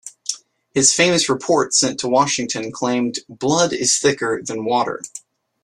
His famous report sent to Washington claimed "Blood is thicker than water".